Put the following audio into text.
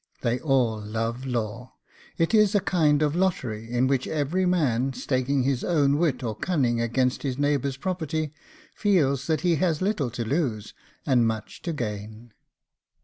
They all love law. It is a kind of lottery, in which every man, staking his own wit or cunning against his neighbour's property, feels that he has little to lose, and much to gain.